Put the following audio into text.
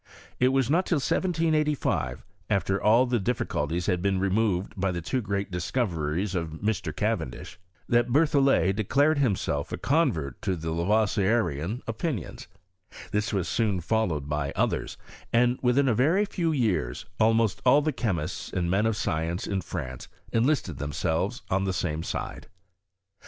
It was not till 1785, after hoB experiments had been almost all published, and after all the difficulties had been removed by the two great discoveries of Mr. Cavendish, that Ber thoUet declared himself a convert to the Lavoisierian opinions. This was soon followed by others, and within a very few years almost all the chemists and men of science in France enlisted themselves on the same side.